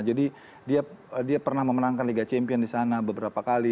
jadi dia pernah memenangkan liga champion di sana beberapa kali